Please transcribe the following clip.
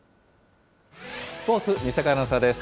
スポーツ、西阪アナウンサーです。